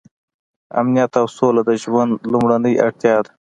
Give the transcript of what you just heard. امنیت او سوله د ژوند لومړنۍ اړتیا ده.